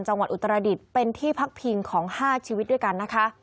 อุตรดิษฐ์เป็นที่พักพิงของ๕ชีวิตด้วยกันนะคะ